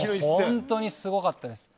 本当にすごかったです。